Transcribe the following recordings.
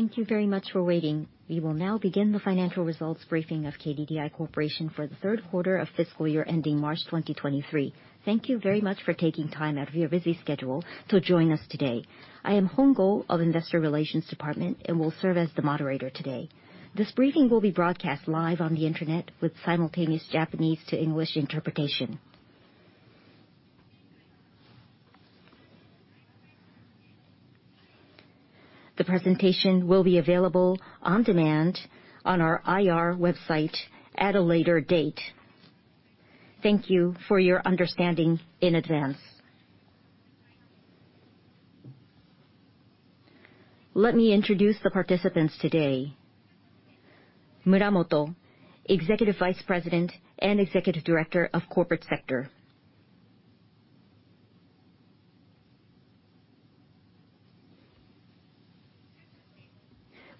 Thank you very much for waiting. We will now begin the financial results briefing of KDDI Corporation for the third quarter of fiscal year ending March 2023. Thank you very much for taking time out of your busy schedule to join us today. I am Hong Go of Investor Relations Department and will serve as the moderator today. This briefing will be broadcast live on the internet with simultaneous Japanese to English interpretation. The presentation will be available on demand on our IR website at a later date. Thank you for your understanding in advance. Let me introduce the participants today. Muramoto, Executive Vice President and Executive Director of Corporate Sector.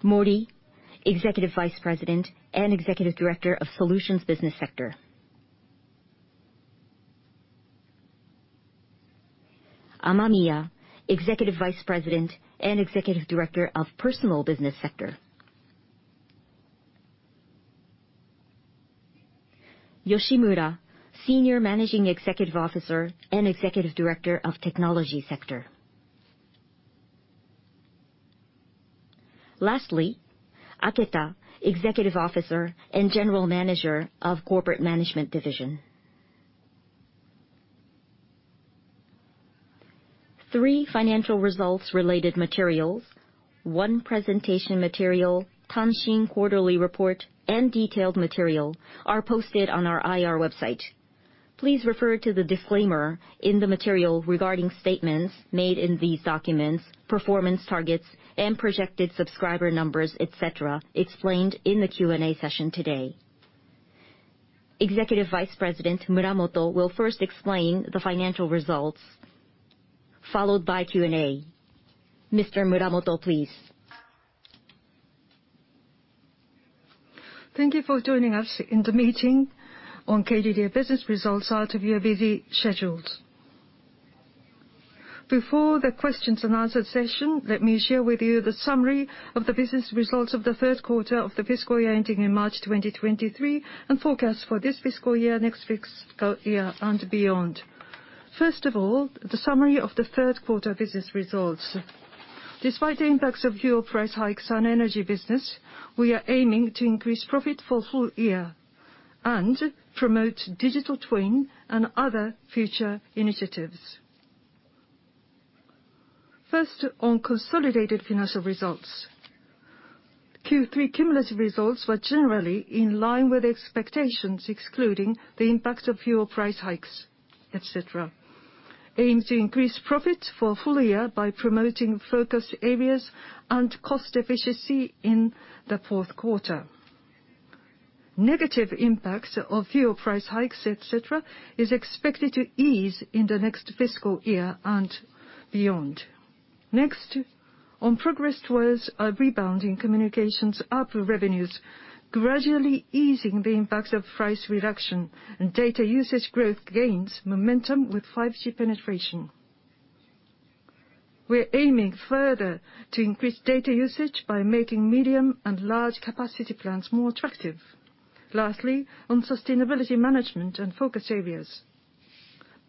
Mori, Executive Vice President and Executive Director of Business Services segment. Amamiya, Executive Vice President and Executive Director of Personal Services segment. Yoshimura, Senior Managing Executive Officer and Executive Director of Technology Sector. Lastly, Aketa, Executive Officer and General Manager of Corporate Management Division. Three financial results related materials, one presentation material, Tanshin quarterly report, and detailed material are posted on our IR website. Please refer to the disclaimer in the material regarding statements made in these documents, performance targets, and projected subscriber numbers, et cetera, explained in the Q&A session today. Executive Vice President Muramoto will first explain the financial results, followed by Q&A. Mr. Muramoto, please. Thank you for joining us in the meeting on KDDI business results out of your busy schedules. Before the questions and answers session, let me share with you the summary of the business results of the third quarter of the fiscal year ending in March 2023, and forecast for this fiscal year, next fiscal year, and beyond. First of all, the summary of the third quarter business results. Despite the impacts of fuel price hikes on energy business, we are aiming to increase profit for full year and promote digital twin and other future initiatives. First, on consolidated financial results. Q3 cumulative results were generally in line with expectations, excluding the impact of fuel price hikes, et cetera. Aim to increase profit for full year by promoting focus areas and cost efficiency in the fourth quarter. Negative impacts of fuel price hikes, et cetera, is expected to ease in the next fiscal year and beyond. Next, on progress towards a rebound in communications ARPU revenues, gradually easing the impacts of price reduction, and data usage growth gains momentum with 5G penetration. We are aiming further to increase data usage by making medium and large capacity plans more attractive. Lastly, on sustainability management and focus areas.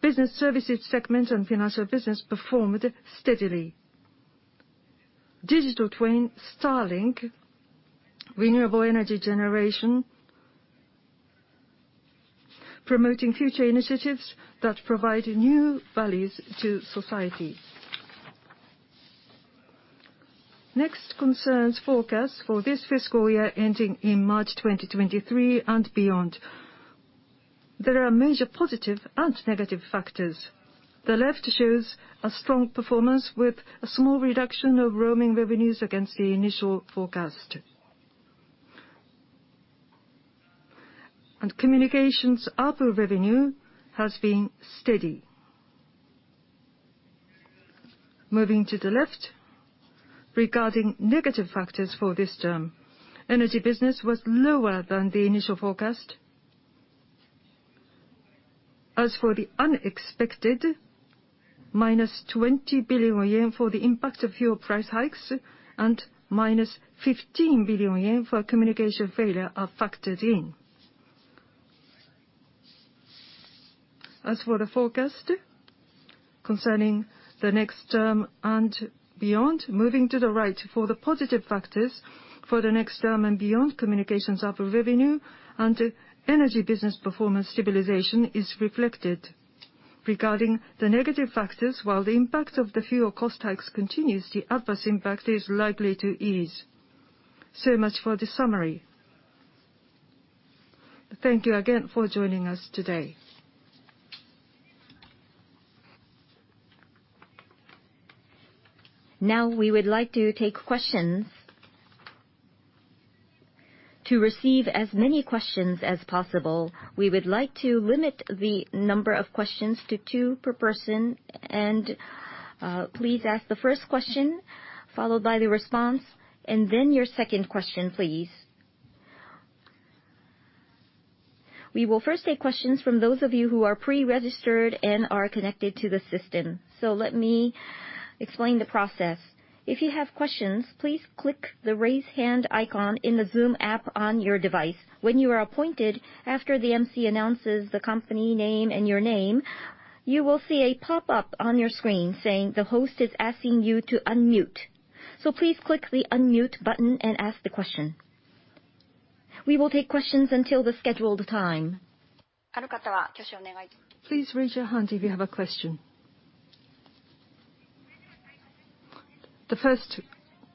Business Services segment and financial business performed steadily. Digital twin, Starlink, renewable energy generation, promoting future initiatives that provide new values to society. regarding negative factors for this term, energy business was lower than the initial forecast. As for the unexpected, minus 20 billion yen for the impact of fuel price hikes and minus 15 billion yen for communication failure are factored in. As for the forecast concerning the next term and beyond, moving to the right for the positive factors for the next term and beyond, communications ARPU revenue and energy business performance stabilization is reflected. Regarding the negative factors, while the impact of the fuel cost hikes continues, the adverse impact is likely to ease. So much for the summary. Thank you again for joining us today. We would like to take questions. To receive as many questions as possible, we would like to limit the number of questions to two per person. Please ask the first question, followed by the response, and then your second question, please. We will first take questions from those of you who are pre-registered and are connected to the system. Let me explain the process. If you have questions, please click the raise hand icon in the Zoom app on your device. When you are appointed, after the emcee announces the company name and your name, you will see a pop-up on your screen saying, "The host is asking you to unmute." Please click the unmute button and ask the question. We will take questions until the scheduled time. Please raise your hand if you have a question. The first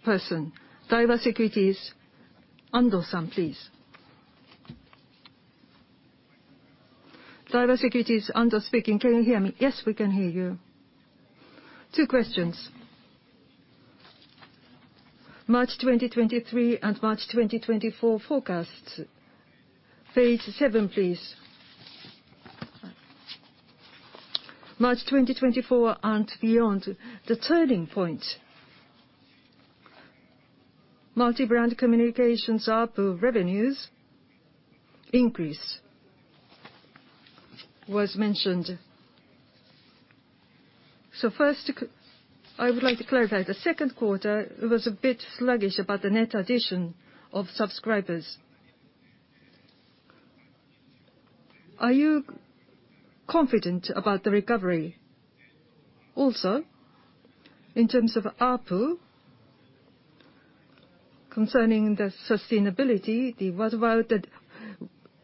person, Daiwa Securities, Ando-san, please. Daiwa Securities, Ando speaking. Can you hear me? Yes, we can hear you. Two questions. March 2023 and March 2024 forecasts. Page seven, please. March 2024 and beyond, the turning point. Multi-brand communications ARPU revenues increase was mentioned. First, I would like to clarify. The second quarter was a bit sluggish about the net addition of subscribers. Are you confident about the recovery? Also, in terms of ARPU, concerning the sustainability, what about the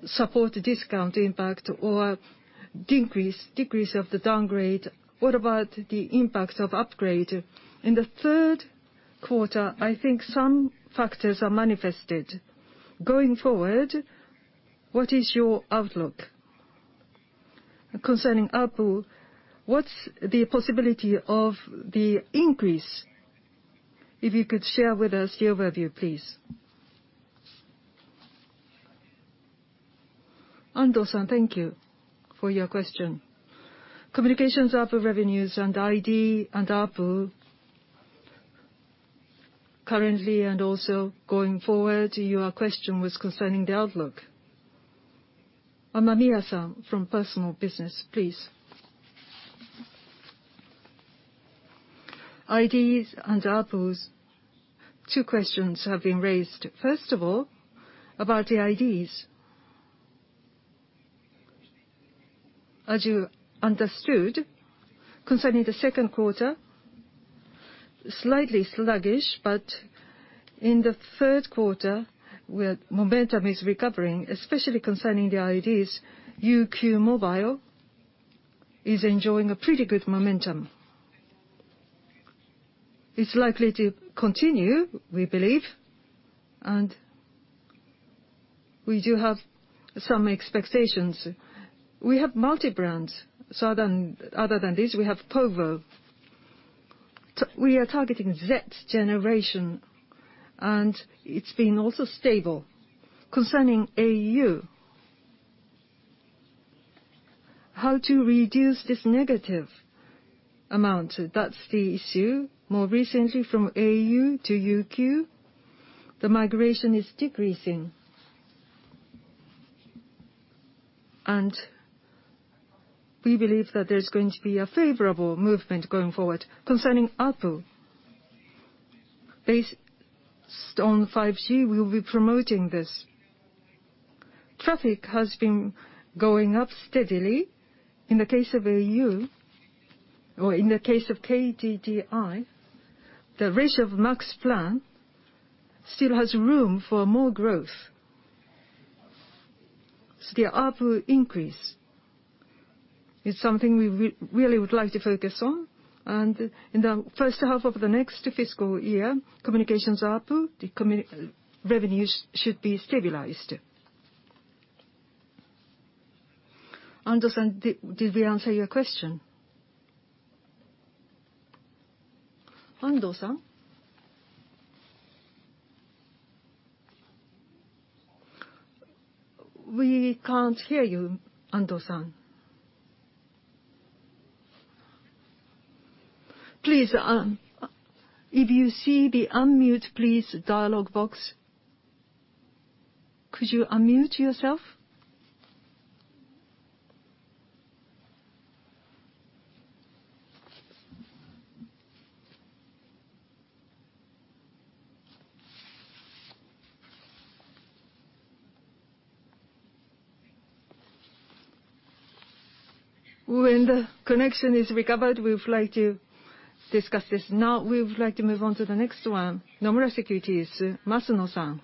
support discount impact or decrease of the downgrade? What about the impact of upgrade? In the third quarter, I think some factors are manifested. Going forward, what is your outlook? Concerning ARPU, what is the possibility of the increase? If you could share with us your overview, please. Ando-san, thank you for your question. Communications ARPU revenues and ID and ARPU, currently and also going forward, your question was concerning the outlook. Amamiya-san from personal business, please. IDs and ARPUs, two questions have been raised. First of all, about the IDs. As you understood, concerning the second quarter, slightly sluggish, but in the third quarter, where momentum is recovering, especially concerning the IDs, UQ mobile is enjoying a pretty good momentum. It is likely to continue, we believe, and we do have some expectations. We have multi-brands. Other than this, we have povo. We are targeting Z generation, and it has been also stable. Concerning au, how to reduce this negative amount, that is the issue. More recently, from au to UQ, the migration is decreasing. We believe that there is going to be a favorable movement going forward. Concerning ARPU, based on 5G, we will be promoting this. Traffic has been going up steadily. In the case of au, or in the case of KDDI, the ratio of max plan still has room for more growth. The ARPU increase is something we really would like to focus on. In the first half of the next fiscal year, communications ARPU, the revenues should be stabilized. Ando-san, did we answer your question? Ando-san? We can't hear you, Ando-san. Please, if you see the unmute please dialog box, could you unmute yourself? When the connection is recovered, we would like to discuss this. We would like to move on to the next one. Nomura Securities, Masuno-san.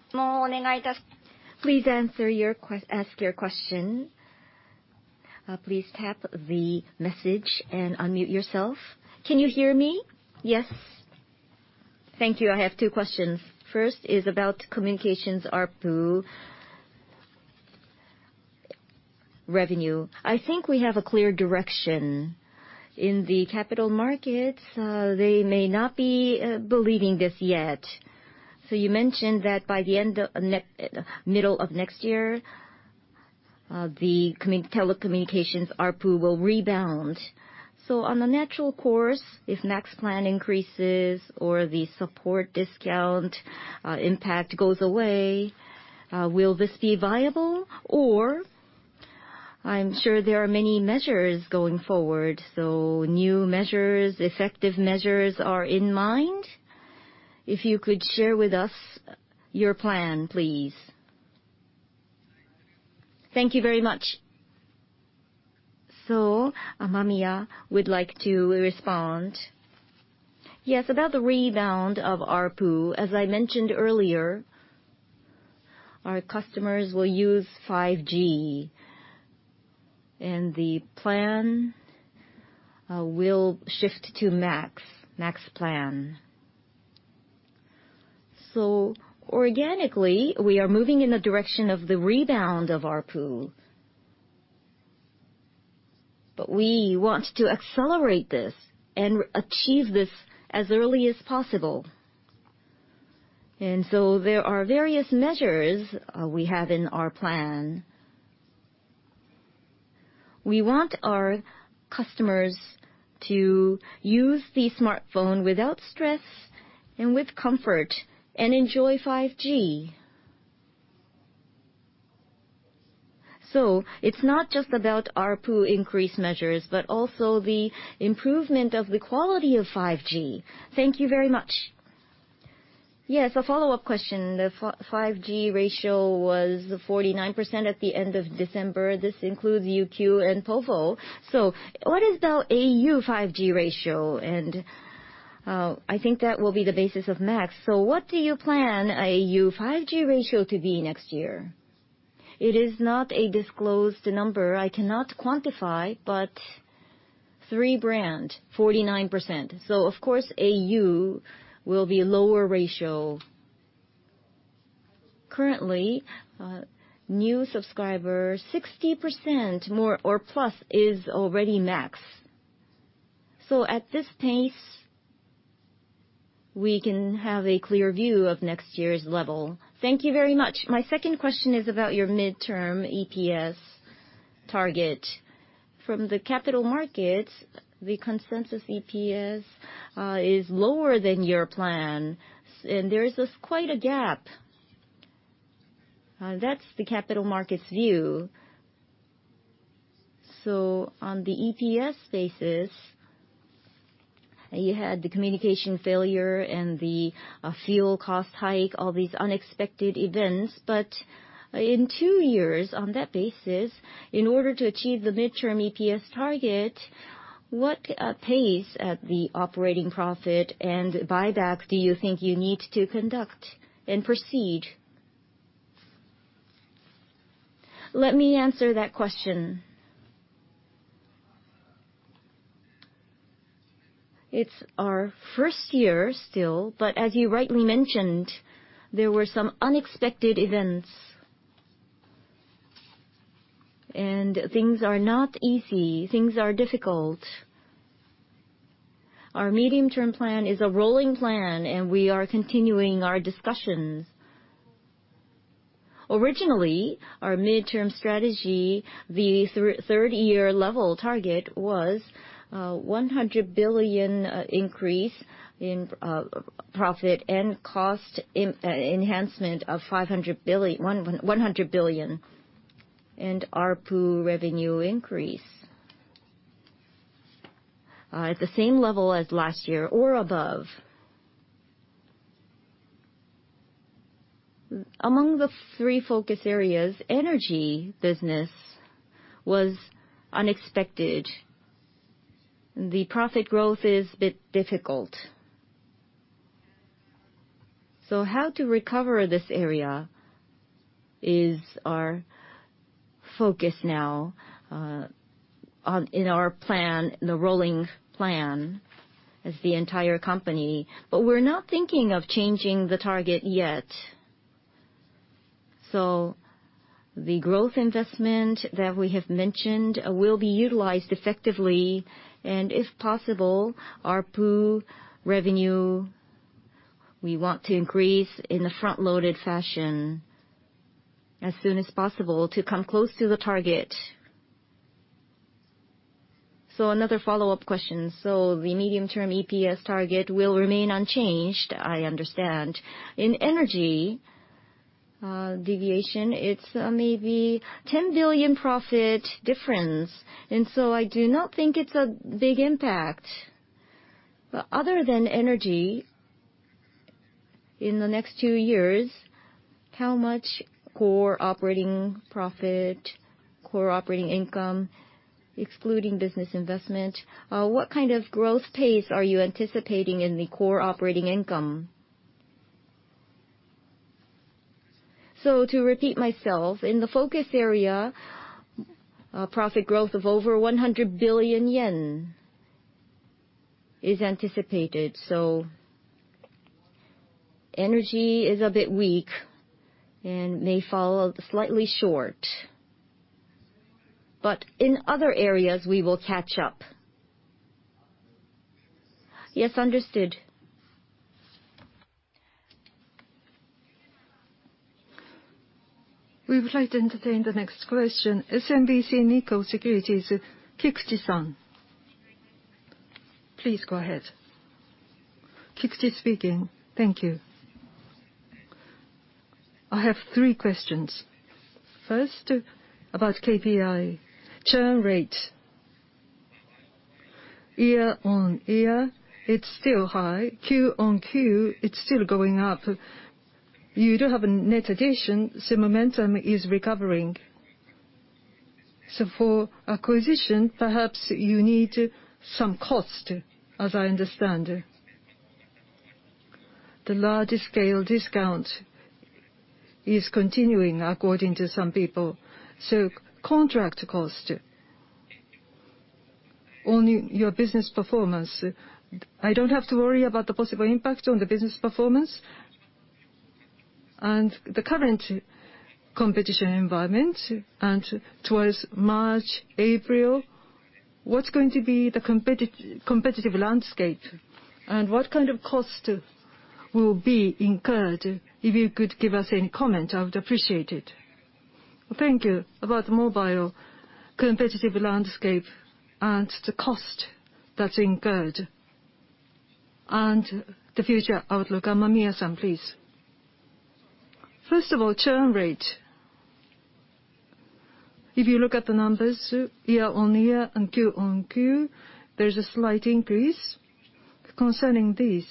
Please ask your question. Please type the message and unmute yourself. Can you hear me? Yes. Thank you. I have two questions. First is about communications ARPU revenue. I think we have a clear direction. In the capital markets, they may not be believing this yet. You mentioned that by the middle of next year, the telecommunications ARPU will rebound. On a natural course, if max plan increases or the support discount impact goes away, will this be viable? I'm sure there are many measures going forward. New measures, effective measures are in mind. If you could share with us your plan, please. Thank you very much. Amamiya would like to respond. Yes, about the rebound of ARPU, as I mentioned earlier, our customers will use 5G, and the plan will shift to max plan. Organically, we are moving in the direction of the rebound of ARPU. We want to accelerate this and achieve this as early as possible. There are various measures we have in our plan. We want our customers to use the smartphone without stress and with comfort, and enjoy 5G. It's not just about ARPU increase measures, but also the improvement of the quality of 5G. Thank you very much. Yes, a follow-up question. The 5G ratio was 49% at the end of December. This includes UQ and povo. What is the au 5G ratio? I think that will be the basis of max. What do you plan au 5G ratio to be next year? It is not a disclosed number. I cannot quantify, but three brand, 49%. Of course, au will be lower ratio. Currently, new subscribers, 60% more or plus is already max. At this pace, we can have a clear view of next year's level. Thank you very much. My second question is about your midterm EPS target. From the capital markets, the consensus EPS is lower than your plan, and there is quite a gap. That is the capital market's view. On the EPS basis, you had the communication failure and the fuel cost hike, all these unexpected events. In 2 years, on that basis, in order to achieve the midterm EPS target, what pace at the operating profit and buyback do you think you need to conduct and proceed? Let me answer that question. It is our first year still, but as you rightly mentioned, there were some unexpected events. Things are not easy. Things are difficult. Our medium-term plan is a rolling plan, and we are continuing our discussions. Originally, our medium-term strategy, the third-year level target was 100 billion increase in profit and cost enhancement of 100 billion, and ARPU revenue increase at the same level as last year or above. Among the 3 focus areas, energy business was unexpected. The profit growth is a bit difficult. How to recover this area is our focus now in our plan, the rolling plan as the entire company. We are not thinking of changing the target yet. The growth investment that we have mentioned will be utilized effectively. If possible, ARPU revenue, we want to increase in a front-loaded fashion as soon as possible to come close to the target. Another follow-up question. The medium-term EPS target will remain unchanged, I understand. In energy, deviation, it is maybe 10 billion profit difference. I do not think it is a big impact. Other than energy, in the next 2 years, how much core operating profit, core operating income, excluding business investment, what kind of growth pace are you anticipating in the core operating income? To repeat myself, in the focus area, a profit growth of over 100 billion yen is anticipated. Energy is a bit weak and may fall slightly short. In other areas, we will catch up. Yes, understood. We would like to entertain the next question. SMBC Nikko Securities, Kikuchi-san. Please go ahead. Kikuchi speaking. Thank you. I have 3 questions. First, about KPI churn rate. Year-on-year, it is still high. QoQ, it is still going up. You do not have a net addition, momentum is recovering. For acquisition, perhaps you need some cost, as I understand. The larger scale discount is continuing according to some people. Contract cost on your business performance, I do not have to worry about the possible impact on the business performance? The current competition environment, and towards March, April, what is going to be the competitive landscape, and what kind of cost will be incurred? If you could give us any comment, I would appreciate it. Thank you. About mobile competitive landscape and the cost that is incurred, and the future outlook. Mamiya-san, please. First of all, churn rate. If you look at the numbers year-on-year and QoQ, there's a slight increase. Concerning this,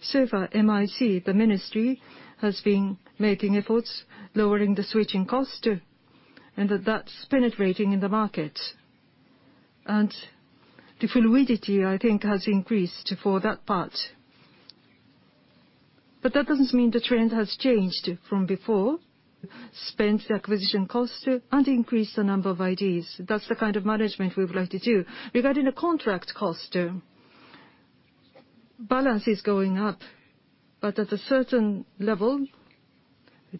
so far, MIC, the Ministry, has been making efforts lowering the switching cost, and that's penetrating in the market. The fluidity, I think, has increased for that part. But that doesn't mean the trend has changed from before. Spend the acquisition cost and increase the number of IDs. That's the kind of management we would like to do. Regarding the contract cost, balance is going up. But at a certain level,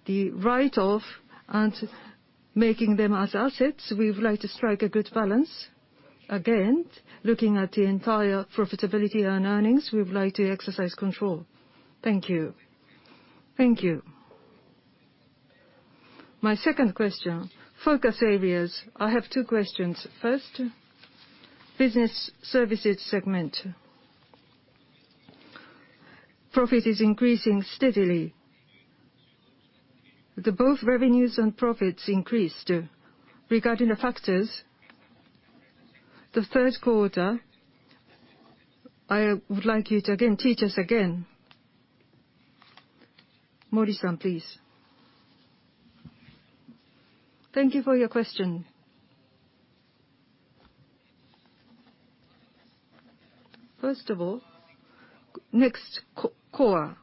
the write-off and making them as assets, we would like to strike a good balance. Again, looking at the entire profitability and earnings, we would like to exercise control. Thank you. Thank you. My second question, focus areas. I have two questions. First, Business Services segment. Profit is increasing steadily. Both revenues and profits increased. Regarding the factors, the third quarter, I would like you to teach us again. Mori-san, please. Thank you for your question. First of all, next core. Core,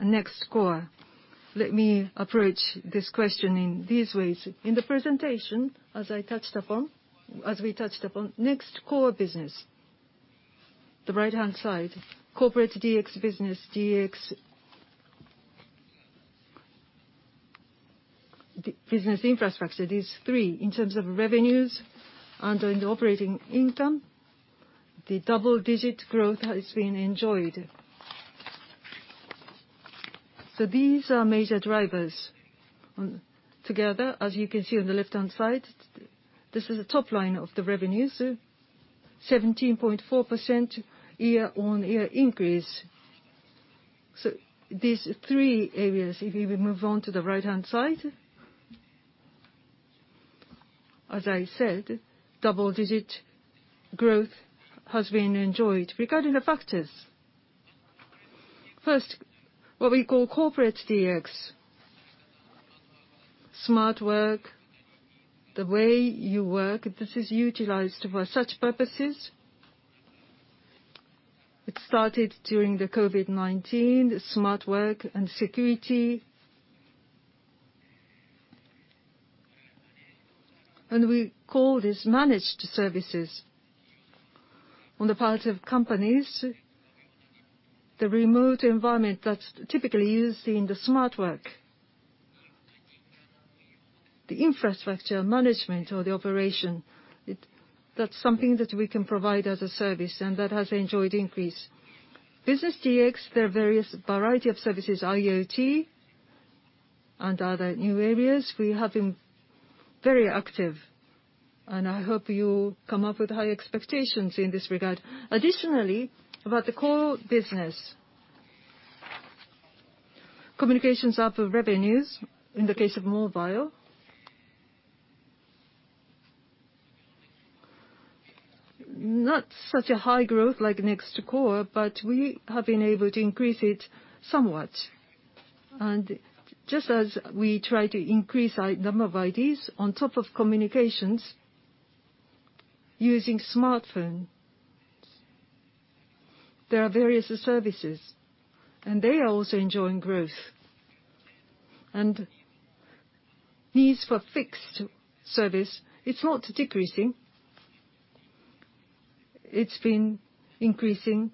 next core. Let me approach this question in these ways. In the presentation, as we touched upon, next core business. The right-hand side, Corporate DX business, DX business infrastructure, these three. In terms of revenues and in the operating income, the double-digit growth has been enjoyed. So these are major drivers. Together, as you can see on the left-hand side, this is the top line of the revenues, 17.4% year-on-year increase. So these three areas, if we move on to the right-hand side, as I said, double-digit growth has been enjoyed. Regarding the factors, first, what we call Corporate DX. Smart work, the way you work, this is utilized for such purposes. It started during the COVID-19, smart work and security. And we call this managed services. On the part of companies, the remote environment that's typically used in the smart work. The infrastructure management or the operation, that's something that we can provide as a service, and that has enjoyed increase. Business DX, there are various variety of services, IoT and other new areas. We have been very active, and I hope you come up with high expectations in this regard. Additionally, about the core business. Communications are the revenues in the case of mobile. Not such a high growth like next core, but we have been able to increase it somewhat. And just as we try to increase our number of IDs on top of communications using smartphone, there are various services, and they are also enjoying growth. And needs for fixed service, it's not decreasing. It's been increasing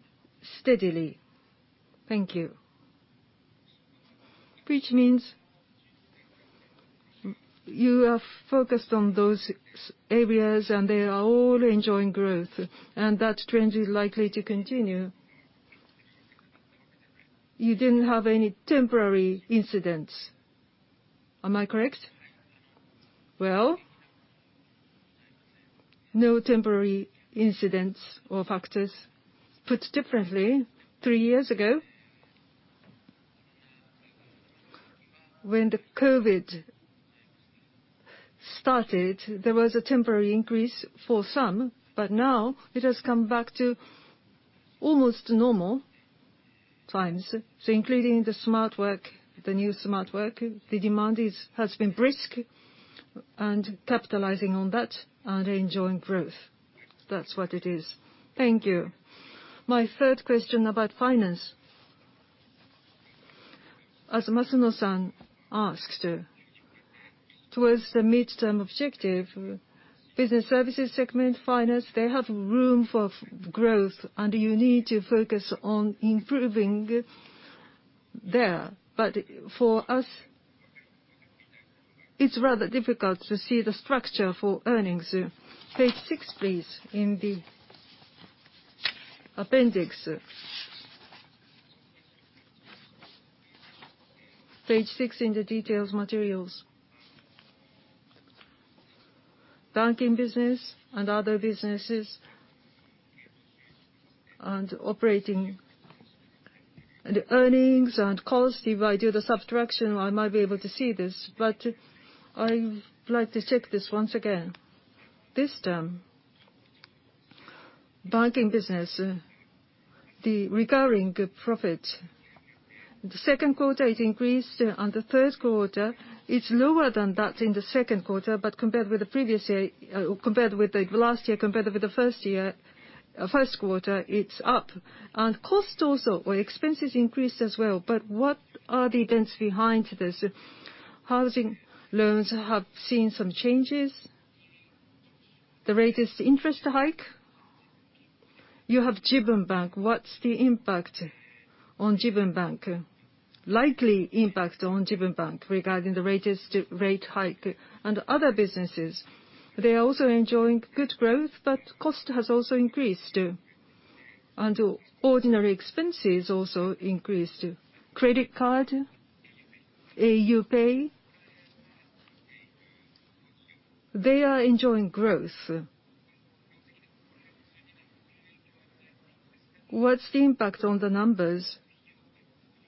steadily. Thank you. Which means you are focused on those areas, and they are all enjoying growth, and that trend is likely to continue. You didn't have any temporary incidents. Am I correct? Well, no temporary incidents or factors. Put differently, three years ago, when the COVID started, there was a temporary increase for some, but now it has come back to almost normal times. So including the new smart work, the demand has been brisk, and capitalizing on that and enjoying growth. That's what it is. Thank you. My third question about finance. As Masuno-san asked, towards the midterm objective, Business Services segment finance, they have room for growth, and you need to focus on improving there. But for us, it's rather difficult to see the structure for earnings. Page 6, please, in the appendix. Page 6 in the details materials. Banking business and other businesses, operating the earnings and costs, if I do the subtraction, I might be able to see this, but I like to check this once again. This term, banking business, the recurring good profit. Second quarter, it increased, Third quarter, it's lower than that in the second quarter, compared with last year, compared with the first quarter, it's up. Cost also or expenses increased as well. What are the events behind this? Housing loans have seen some changes. The latest interest hike. You have JIBUN Bank. What's the impact on JIBUN Bank? Likely impact on JIBUN Bank regarding the latest rate hike. Other businesses, they are also enjoying good growth, cost has also increased. Ordinary expenses also increased. Credit card, au PAY, they are enjoying growth. What's the impact on the numbers?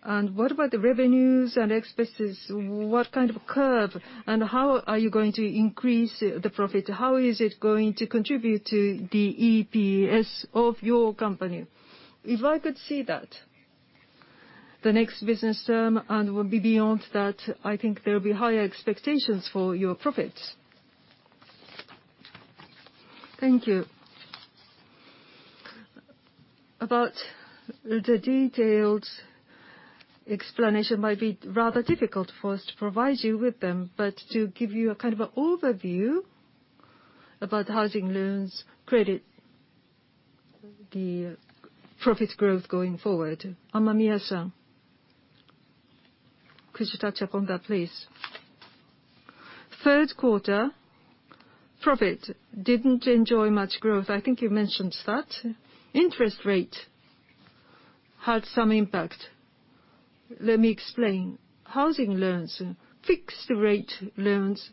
What about the revenues and expenses? What kind of curve, how are you going to increase the profit? How is it going to contribute to the EPS of your company? If I could see that, the next business term and beyond that, I think there'll be higher expectations for your profits. Thank you. About the detailed explanation might be rather difficult for us to provide you with them, to give you a kind of overview about housing loans, credit, the profit growth going forward. Amamiya-san, could you touch upon that, please? Third quarter profit didn't enjoy much growth. I think you mentioned that. Interest rate had some impact. Let me explain. Housing loans, fixed rate loans,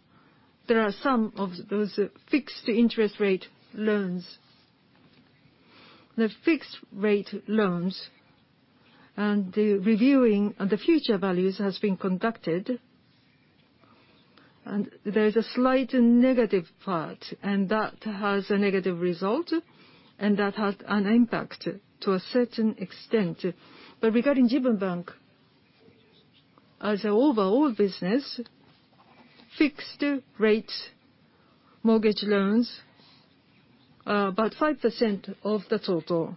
there are some of those fixed interest rate loans. The fixed rate loans and the reviewing of the future values has been conducted, there is a slight negative part, that has a negative result, that had an impact to a certain extent. Regarding JIBUN Bank, as an overall business, fixed rate mortgage loans are about 5% of the total.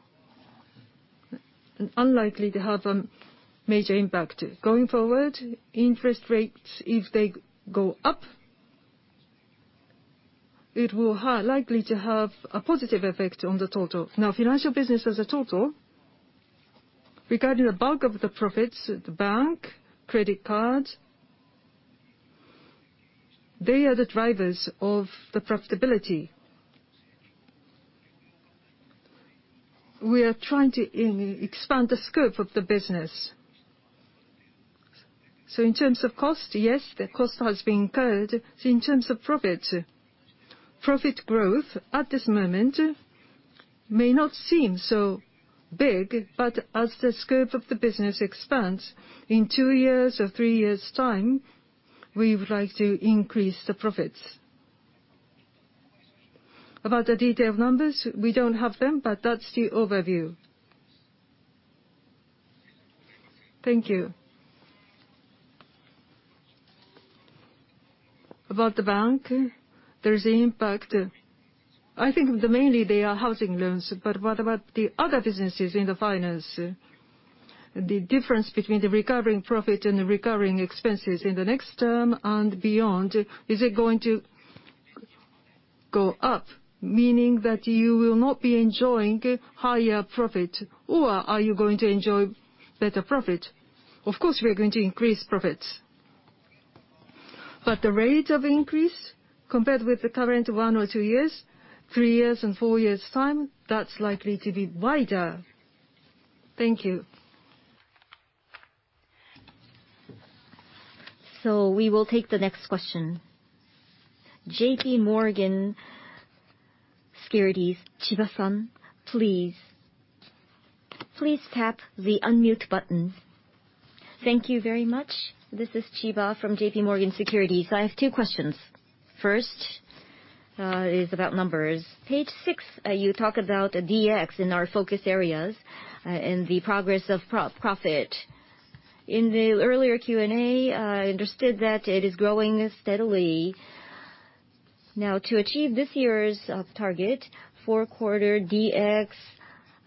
Unlikely to have a major impact. Going forward, interest rates, if they go up, it will likely to have a positive effect on the total. Financial business as a total, regarding the bulk of the profits, the bank, credit card, they are the drivers of the profitability. We are trying to expand the scope of the business. In terms of cost, yes, the cost has been incurred. In terms of profit growth at this moment may not seem so big, as the scope of the business expands, in two years or three years' time, we would like to increase the profits. About the detailed numbers, we don't have them, that's the overview. Thank you. About the bank, there is an impact. I think mainly they are housing loans. What about the other businesses in the finance? The difference between the recurring profit and the recurring expenses in the next term and beyond, is it going to go up, meaning that you will not be enjoying higher profit? Are you going to enjoy better profit? Of course, we are going to increase profits. The rate of increase compared with the current one or two years, three years and four years' time, that's likely to be wider. Thank you. We will take the next question. JPMorgan Securities, Chiba-san, please. Please tap the unmute button. Thank you very much. This is Chiba from JPMorgan Securities. I have two questions. First is about numbers. Page six, you talk about DX in our focus areas and the progress of profit. In the earlier Q&A, I understood that it is growing steadily. Now to achieve this year's target, four quarter DX,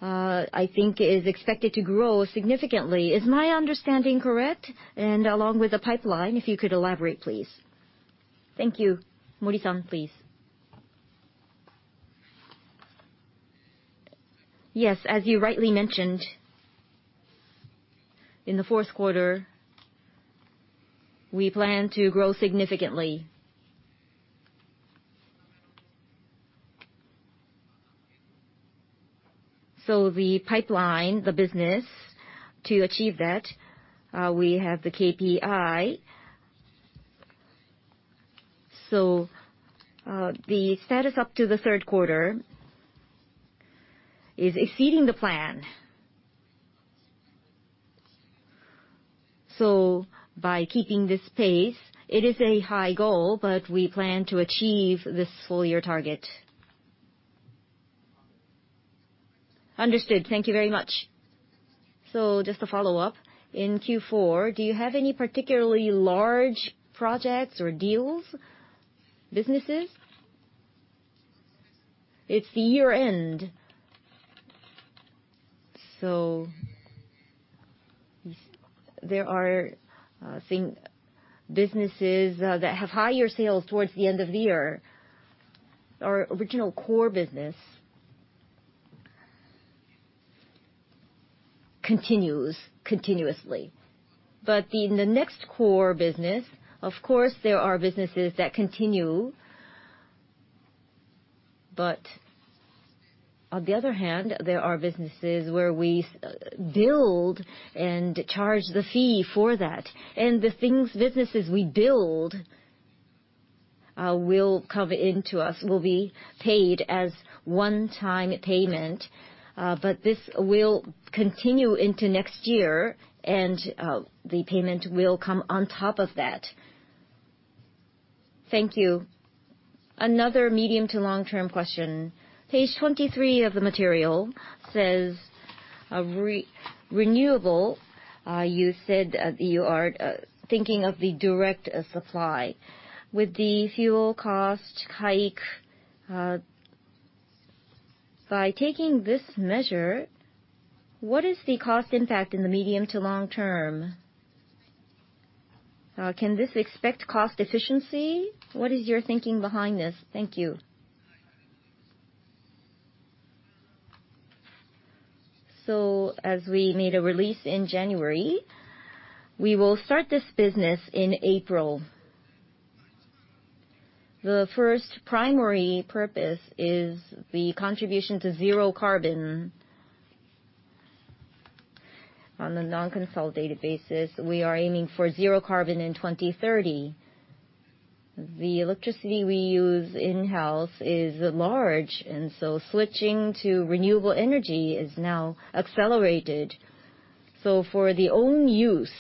I think is expected to grow significantly. Is my understanding correct? Along with the pipeline, if you could elaborate, please. Thank you. Mori-san, please. Yes, as you rightly mentioned, in the fourth quarter, we plan to grow significantly. The pipeline, the business to achieve that, we have the KPI. The status up to the third quarter is exceeding the plan. By keeping this pace, it is a high goal, but we plan to achieve this full year target. Understood. Thank you very much. Just a follow-up. In Q4, do you have any particularly large projects or deals, businesses? It's the year-end, there are businesses that have higher sales towards the end of the year. Our original core business continues continuously. In the next core business, of course, there are businesses that continue. On the other hand, there are businesses where we build and charge the fee for that. The businesses we build will come into us, will be paid as one-time payment. This will continue into next year, and the payment will come on top of that. Thank you. Another medium-to-long-term question. Page 23 of the material says renewable. You said that you are thinking of the direct supply. With the fuel cost hike, by taking this measure, what is the cost impact in the medium-to-long-term? Can this expect cost efficiency? What is your thinking behind this? Thank you. As we made a release in January, we will start this business in April. The first primary purpose is the contribution to zero carbon. On a non-consolidated basis, we are aiming for zero carbon in 2030. The electricity we use in-house is large, switching to renewable energy is now accelerated. For the own use,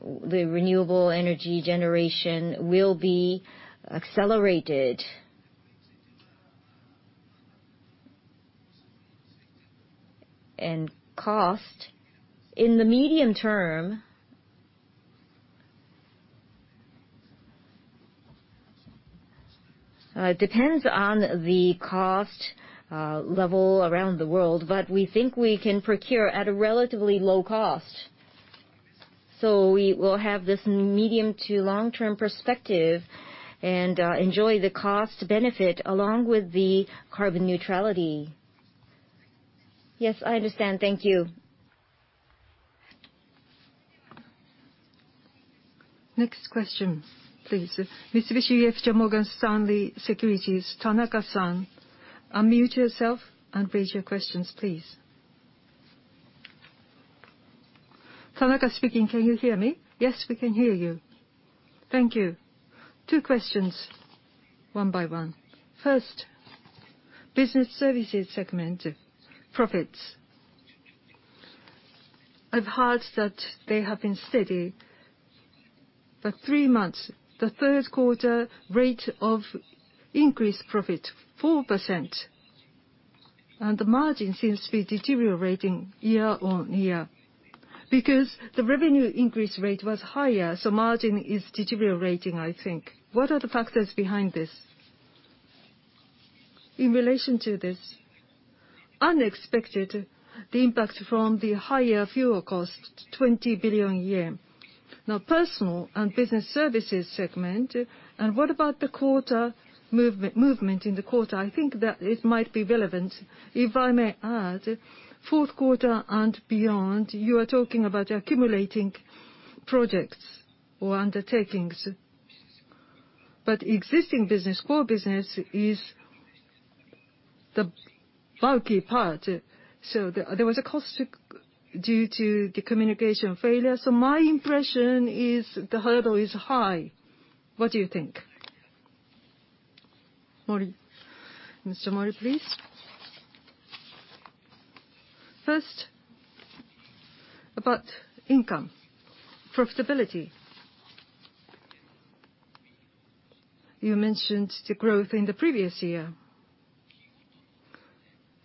the renewable energy generation will be accelerated. Cost, in the medium term, depends on the cost level around the world. We think we can procure at a relatively low cost. We will have this medium-to-long-term perspective and enjoy the cost benefit along with the carbon neutrality. Yes, I understand. Thank you. Next question, please. Mitsubishi UFJ Morgan Stanley Securities, Tanaka-san, unmute yourself and raise your questions, please. Tanaka speaking. Can you hear me? Yes, we can hear you. Thank you. Two questions, one by one. First, Business Services segment profits. I've heard that they have been steady for three months. The third quarter rate of increased profit, 4%, and the margin seems to be deteriorating year on year. Because the revenue increase rate was higher, margin is deteriorating, I think. What are the factors behind this? In relation to this, unexpected the impact from the higher fuel cost, 20 billion yen. Now, Personal Services and Business Services segment, what about the movement in the quarter? I think that it might be relevant. If I may add, fourth quarter and beyond, you are talking about accumulating projects or undertakings Existing business, core business, is the bulky part. There was a cost due to the communication failure. My impression is the hurdle is high. What do you think? Mori, please. First, about income profitability. You mentioned the growth in the previous year.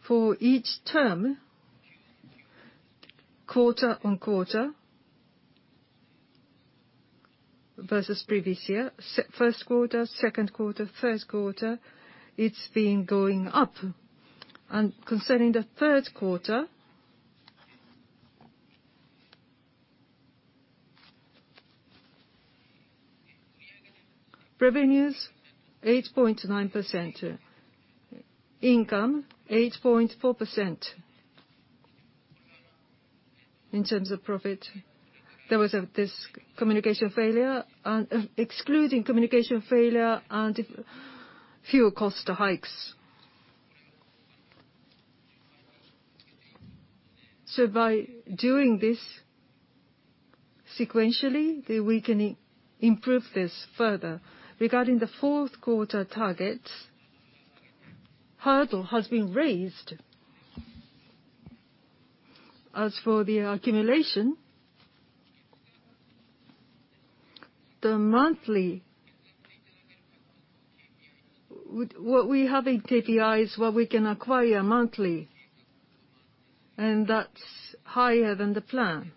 For each term, quarter-on-quarter, versus previous year, first quarter, second quarter, third quarter, it's been going up. Concerning the third quarter, revenues 8.9%, income 8.4%. In terms of profit, there was this communication failure, and excluding communication failure and fuel cost hikes. By doing this sequentially, we can improve this further. Regarding the fourth quarter targets, hurdle has been raised. As for the accumulation, the monthly, what we have in KDDI is what we can acquire monthly, and that's higher than the plan.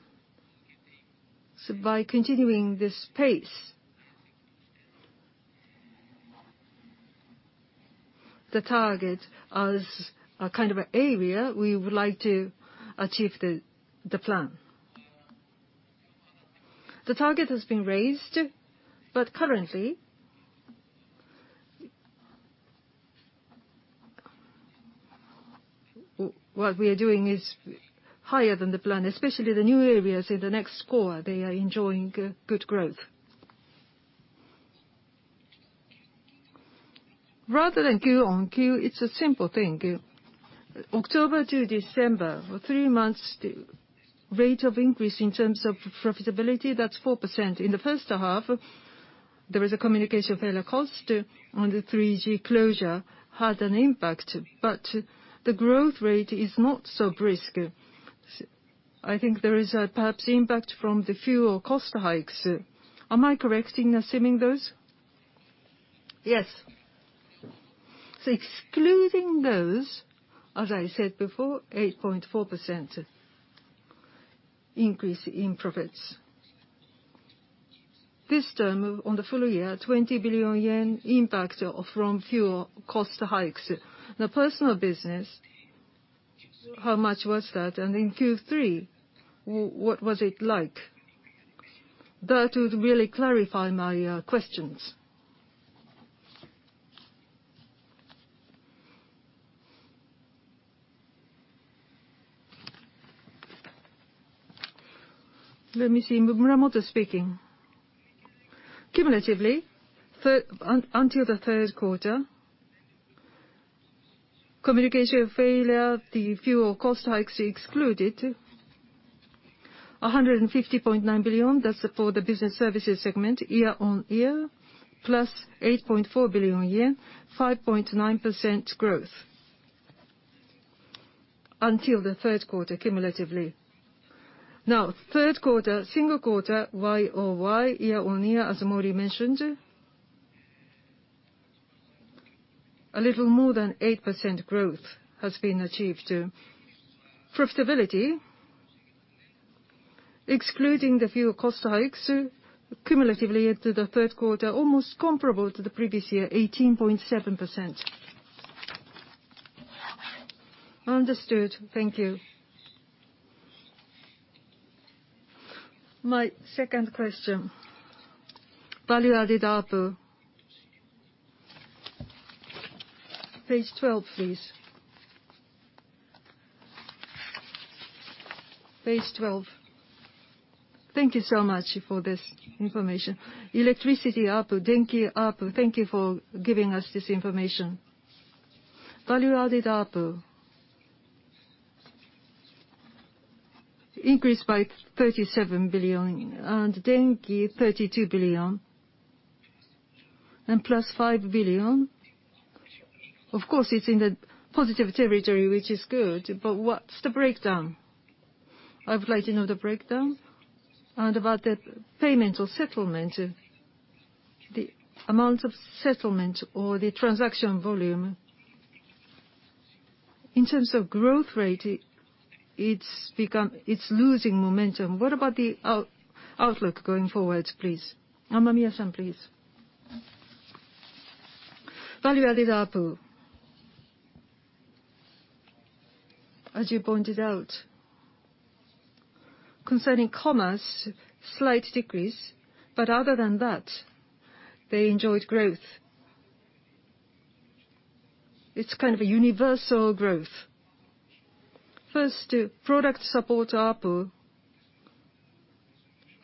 By continuing this pace, the target as a kind of an area, we would like to achieve the plan. The target has been raised, currently, what we are doing is higher than the plan, especially the new areas in the next core, they are enjoying good growth. Rather than QoQ, it's a simple thing. October to December, 3 months, the rate of increase in terms of profitability, that's 4%. In the first half, there is a communication failure cost and the 3G closure had an impact. The growth rate is not so brisk. I think there is perhaps impact from the fuel cost hikes. Am I correct in assuming those? Yes. Excluding those, as I said before, 8.4% increase in profits. This term, on the full year, 20 billion yen impact from fuel cost hikes. The personal business, how much was that? In Q3, what was it like? That would really clarify my questions. Let me see. Muramoto speaking. Cumulatively, until the third quarter, communication failure, the fuel cost hikes excluded, 150.9 billion. That's for the Business Services segment year-on-year, plus 8.4 billion yen, 5.9% growth, until the third quarter cumulatively. Now, third quarter, single quarter, Y-o-Y, year-on-year, as Mori mentioned, a little more than 8% growth has been achieved. Profitability, excluding the fuel cost hikes, cumulatively into the third quarter, almost comparable to the previous year, 18.7%. Understood. Thank you. My second question, value-added ARPU. Page 12, please. Page 12. Thank you so much for this information. Electricity ARPU, Denki ARPU, thank you for giving us this information. Value-added ARPU increased by 37 billion, and Denki, 32 billion, and plus 5 billion. Of course, it's in the positive territory, which is good. What's the breakdown? I would like to know the breakdown, and about the payment or settlement. The amount of settlement or the transaction volume in terms of growth rate, it's losing momentum. What about the outlook going forward, please? Amamiya, please. Value-added ARPU. As you pointed out, concerning commerce, slight decrease, other than that, they enjoyed growth. It's kind of a universal growth. First, product support Apple.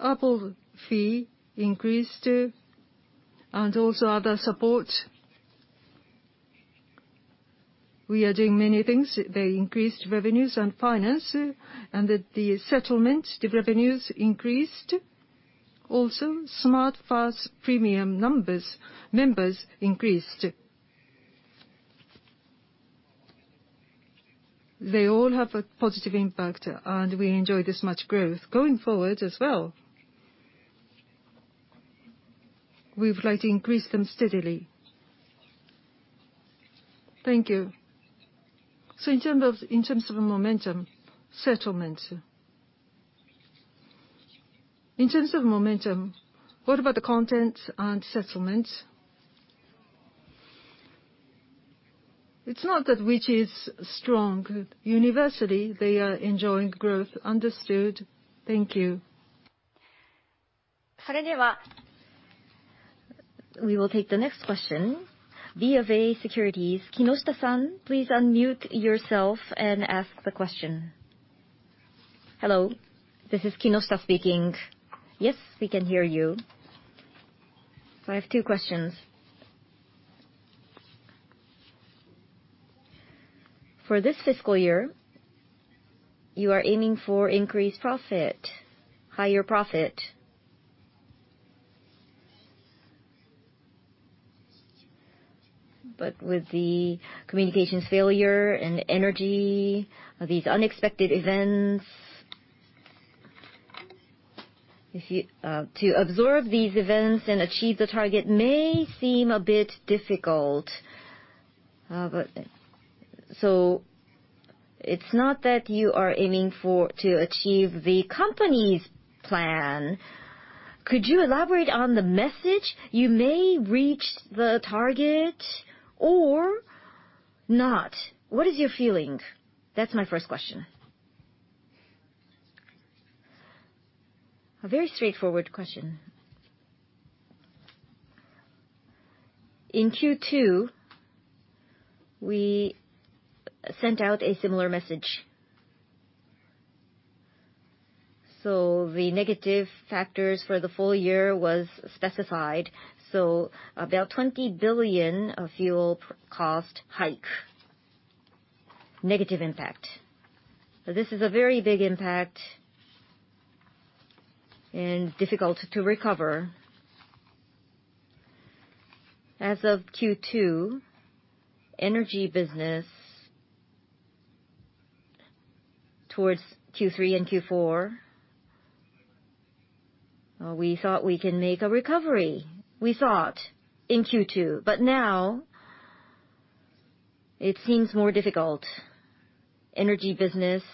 Apple fee increased, and also other support. We are doing many things. They increased revenues on finance and the settlement, the revenues increased. Also, SmartPass premium members increased. They all have a positive impact, and we enjoy this much growth. Going forward as well, we would like to increase them steadily. Thank you. In terms of momentum, settlements. In terms of momentum, what about the content and settlements? It's not that which is strong. Universally, they are enjoying growth. Understood. Thank you. We will take the next question. BofA Securities, Kinoshita-san, please unmute yourself and ask the question. Hello, this is Kinoshita speaking. Yes, we can hear you. I have two questions. For this fiscal year, you are aiming for increased profit, higher profit. With the communications failure and energy, these unexpected events, to absorb these events and achieve the target may seem a bit difficult. It is not that you are aiming to achieve the company's plan. Could you elaborate on the message? You may reach the target or not. What is your feeling? That is my first question. A very straightforward question. In Q2, we sent out a similar message. The negative factors for the full year was specified, about 20 billion of fuel cost hike, negative impact. This is a very big impact and difficult to recover. As of Q2, energy business towards Q3 and Q4, we thought we can make a recovery. We thought in Q2, but now it seems more difficult. Energy business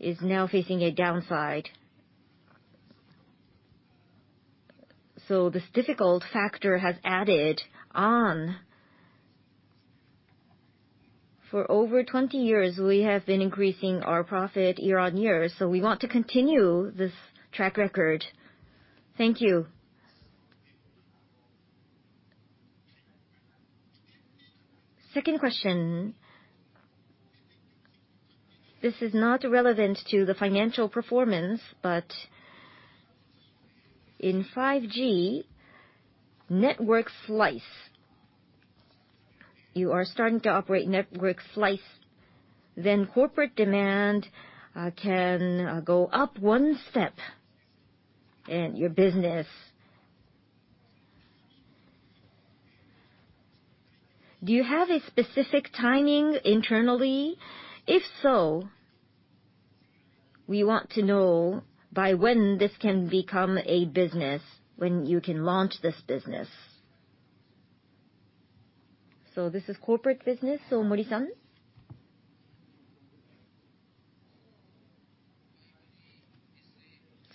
is now facing a downside. This difficult factor has added on. For over 20 years, we have been increasing our profit Y-o-Y, we want to continue this track record. Thank you. Second question, this is not relevant to the financial performance, in 5G network slicing, you are starting to operate network slicing, corporate demand can go up one step in your business. Do you have a specific timing internally? If so, we want to know by when this can become a business, when you can launch this business. This is corporate business, Mori-san.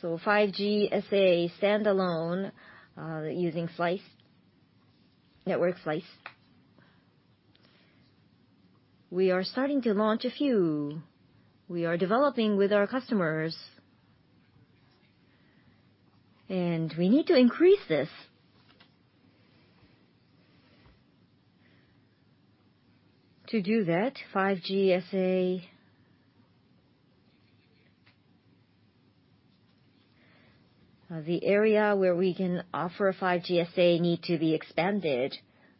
5G SA standalone using network slicing. We are starting to launch a few. We are developing with our customers, we need to increase this. To do that, 5G SA, the area where we can offer 5G SA need to be expanded.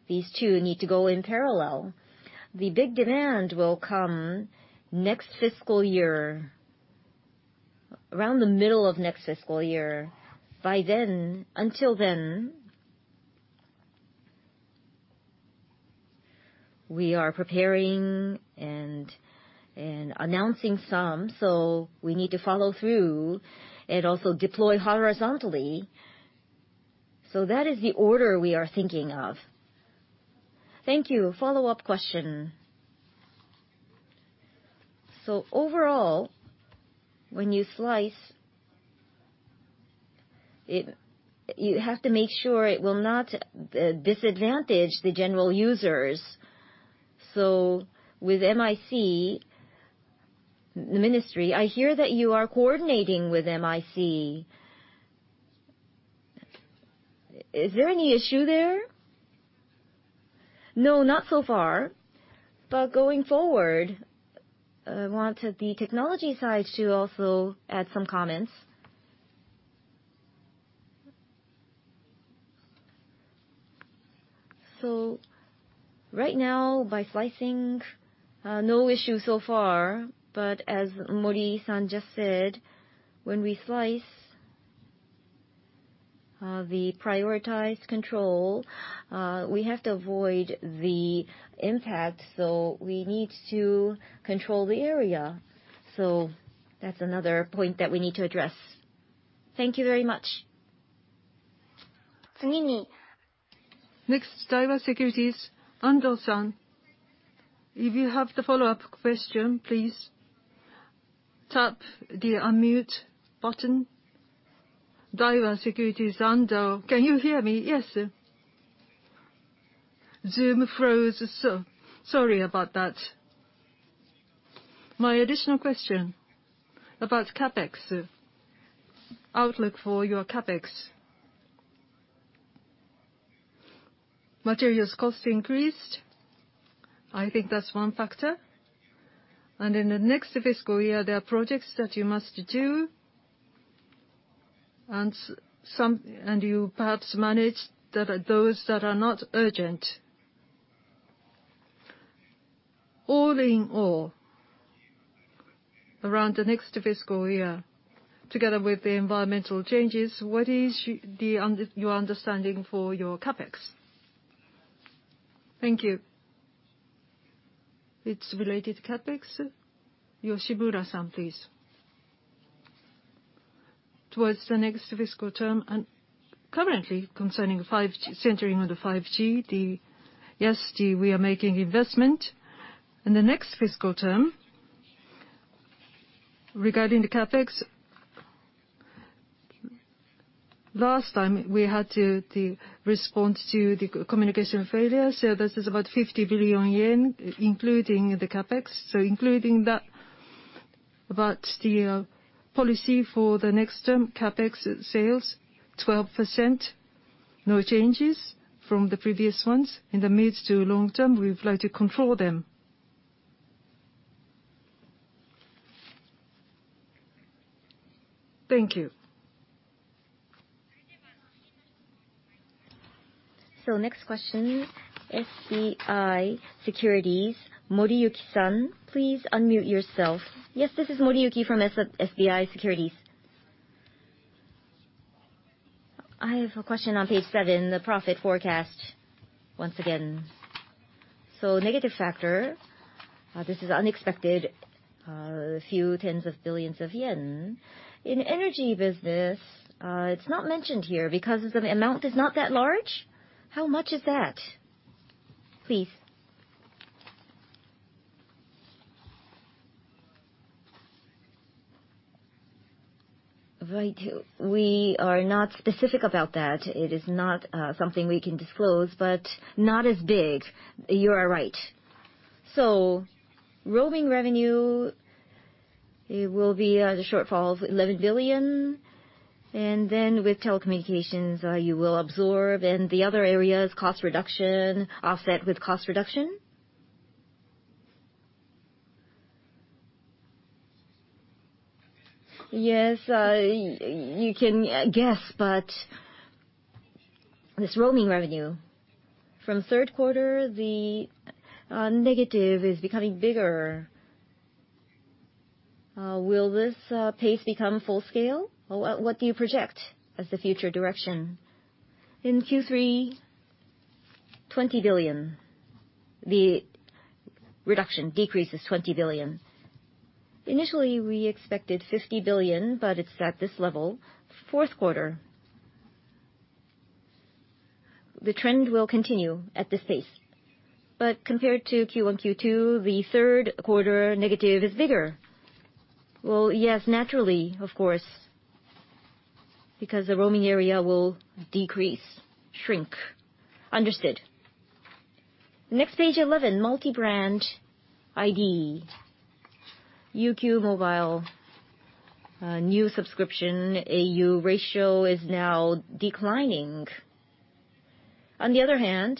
These two need to go in parallel. The big demand will come next fiscal year, around the middle of next fiscal year. By then, until then, we are preparing and announcing some, we need to follow through and deploy horizontally. That is the order we are thinking of. Thank you. Follow-up question. Overall, when you slice, you have to make sure it will not disadvantage the general users. With MIC, the Ministry, I hear that you are coordinating with MIC. Is there any issue there? No, not so far. Going forward, I want the Technology Sector to also add some comments. Right now, by slicing, no issue so far, but as Mori-san just said, when we slice the prioritized control, we have to avoid the impact, we need to control the area. That's another point that we need to address. Thank you very much. Next, Daiwa Securities, Ando-san. If you have the follow-up question, please tap the unmute button. Daiwa Securities, Ando. Can you hear me? Yes. Zoom froze. Sorry about that. My additional question, about CapEx. Outlook for your CapEx. Materials cost increased, I think that's one factor. In the next fiscal year, there are projects that you must do, and you perhaps manage those that are not urgent. All in all, around the next fiscal year, together with the environmental changes, what is your understanding for your CapEx? Thank you. It's related to CapEx. Yoshibura-san, please. Towards the next fiscal term, currently centering on the 5G, yes, we are making investment. In the next fiscal term, regarding the CapEx, last time, we had to respond to the communication failure, this is about 50 billion yen, including the CapEx. Including that. The policy for the next term, CapEx sales 12%, no changes from the previous ones. In the mid to long term, we would like to control them. Thank you. Next question, SBI Securities, Shinji-san, please unmute yourself. Yes, this is Shinji from SBI Securities. I have a question on page seven, the profit forecast. Once again, negative factor, this is unexpected, a few tens of billions of JPY. In energy business, it is not mentioned here because the amount is not that large? How much is that? Please. Right. We are not specific about that. It is not something we can disclose, but not as big. You are right. Roaming revenue, it will be at a shortfall of 11 billion, with telecommunications, you will absorb, and the other areas, offset with cost reduction? Yes. You can guess. This roaming revenue, from third quarter, the negative is becoming bigger. Will this pace become full scale? What do you project as the future direction? In Q3, 20 billion. The reduction decreases 20 billion. Initially, we expected 50 billion, but it is at this level. Fourth quarter, the trend will continue at this pace. Compared to Q1, Q2, the third quarter negative is bigger. Well, yes, naturally, of course. Because the roaming area will decrease. Shrink. Understood. Next, page 11, multi-brand ID. UQ mobile, new subscription au ratio is now declining. On the other hand,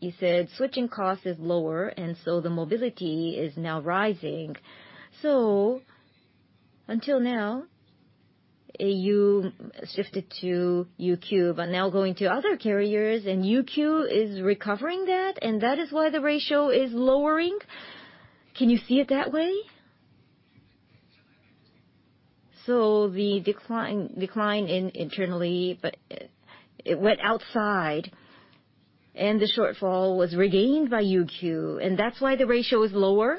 you said switching cost is lower, the mobility is now rising. Until now, au shifted to UQ, but now going to other carriers, and UQ is recovering that, and that is why the ratio is lowering. Can you see it that way? The decline internally, but it went outside, and the shortfall was regained by UQ, and that is why the ratio is lower?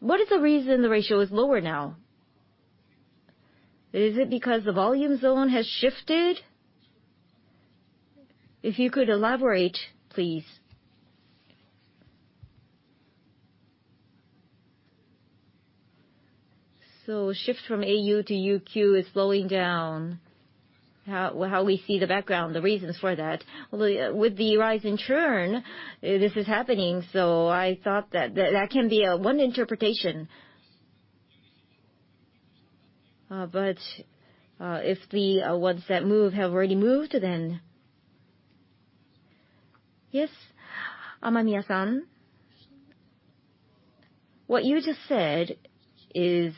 What is the reason the ratio is lower now? Is it because the volume zone has shifted? If you could elaborate, please. Shift from au to UQ is slowing down. How we see the background, the reasons for that. With the rise in churn, this is happening, I thought that that can be one interpretation. If the ones that move have already moved, Yes, Amamiya-san. What you just said is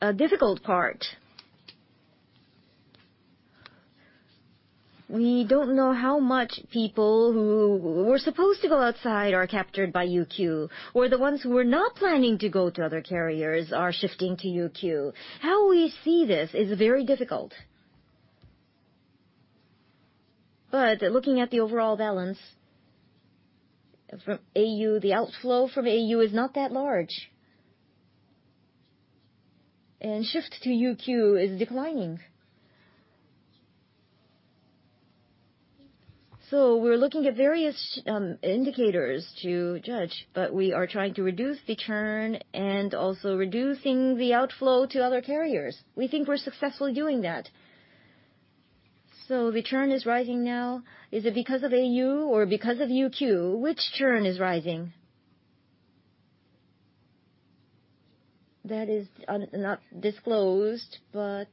a difficult part. We do not know how much people who were supposed to go outside are captured by UQ, or the ones who were not planning to go to other carriers are shifting to UQ. How we see this is very difficult. Looking at the overall balance, from au, the outflow from au is not that large, and shift to UQ is declining. We are looking at various indicators to judge, but we are trying to reduce the churn and also reducing the outflow to other carriers. We think we are successfully doing that. The churn is rising now. Is it because of au or because of UQ? Which churn is rising? That is not disclosed, but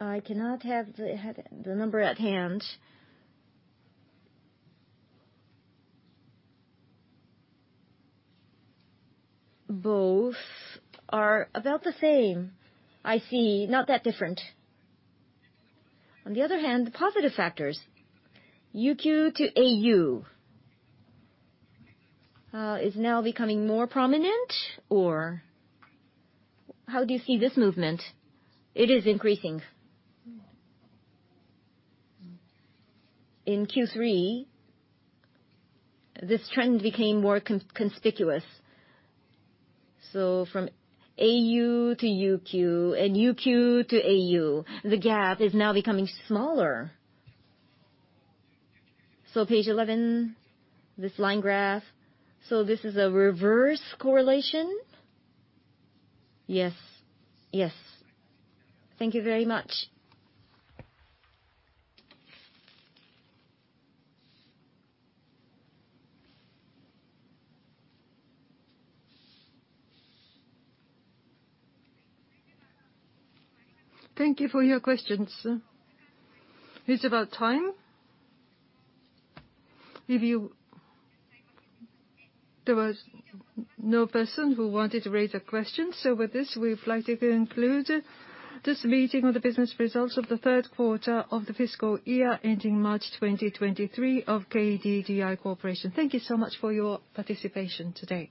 I cannot have the number at hand. Both are about the same. I see. Not that different. On the other hand, the positive factors, UQ to au, is now becoming more prominent, or how do you see this movement? It is increasing. In Q3, this trend became more conspicuous. From au to UQ and UQ to au, the gap is now becoming smaller. Page 11, this line graph. This is a reverse correlation? Yes. Yes. Thank you very much. Thank you for your questions. It's about time. There was no person who wanted to raise a question. With this, we would like to conclude this meeting on the business results of the third quarter of the fiscal year ending March 2023 of KDDI Corporation. Thank you so much for your participation today.